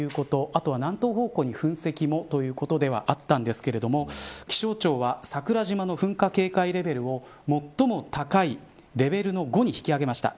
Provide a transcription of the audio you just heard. あとは南東方向に噴石もということではあったんですけれども気象庁は桜島の噴火警戒レベルを最も高いレベルの５に引き上げました。